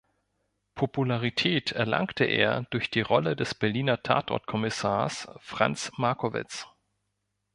Popularität erlangte er durch die Rolle des Berliner Tatort-Kommissars "Franz Markowitz".